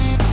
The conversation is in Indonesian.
ya itu dia